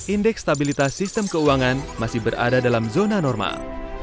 indeks stabilitas sistem keuangan masih berada dalam zona normal